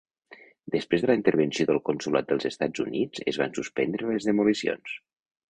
Després de la intervenció del Consolat dels Estats Units es van suspendre les demolicions.